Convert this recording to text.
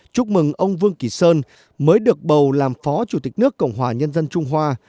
chúc mừng ông vương kỳ sơn mới được bầu làm phó chủ tịch nước cộng hòa nhân dân trung hoa